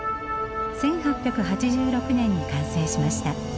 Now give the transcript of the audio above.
１８８６年に完成しました。